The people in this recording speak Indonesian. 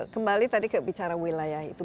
kembali tadi ke bicara wilayah itu